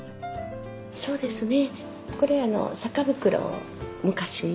そうですね